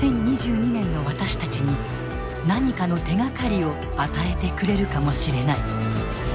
２０２２年の私たちに何かの手がかりを与えてくれるかもしれない。